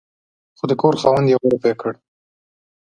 خو د کور خاوند يوه روپۍ کړ